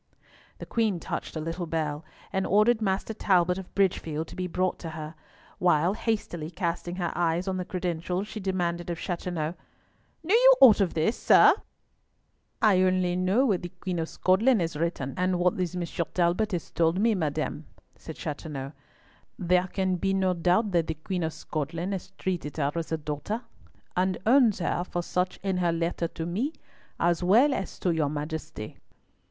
The Queen touched a little bell, and ordered Master Talbot of Bridgefield to be brought to her, while, hastily casting her eyes on the credentials, she demanded of Chateauneuf, "Knew you aught of this, sir?" "I know only what the Queen of Scotland has written and what this Monsieur Talbot has told me, madam," said Chateauneuf. "There can be no doubt that the Queen of Scotland has treated her as a daughter, and owns her for such in her letter to me, as well as to your Majesty."